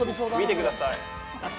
見てください。